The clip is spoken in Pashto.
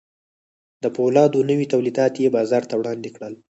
د پولادو نوي تولیدات یې بازار ته وړاندې کړل